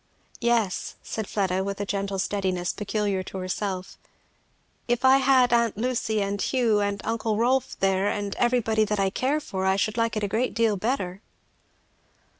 "Yes," said Fleda, with a gentle steadiness peculiar to herself, if I had aunt Lucy and Hugh and uncle Rolf there and everybody that I care for, I should like it a great deal better."